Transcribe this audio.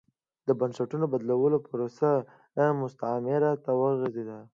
د بنسټونو بدلون پروسه مستعمرو ته وغځېده.